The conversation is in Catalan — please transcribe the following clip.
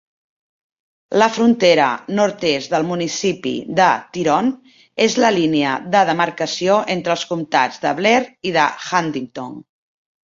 La frontera nord-est del municipi de Tyrone és la línia de demarcació entre els comtats de Blair i de Huntingdon.